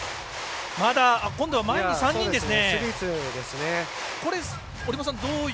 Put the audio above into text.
今度は前に３人ですね。